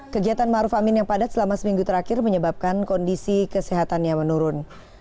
kegiatan maruf amin yang padat selama seminggu terakhir menyebabkan kondisi kesehatannya menurun